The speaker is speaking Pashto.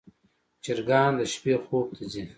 چرګان د شپې خوب ته ځي.